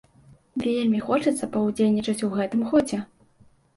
Вельмі хочацца паўдзельнічаць у гэтым годзе.